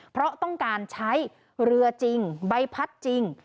เพราะต้องการใช้เรือจริงใบพัดจริง